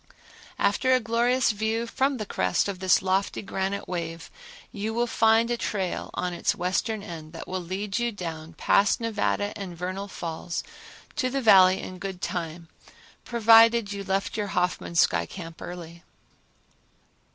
After a glorious view from the crest of this lofty granite wave you will find a trail on its western end that will lead you down past Nevada and Vernal Falls to the Valley in good time, provided you left your Hoffman sky camp early.